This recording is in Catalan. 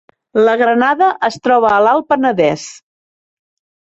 La Granada es troba a l’Alt Penedès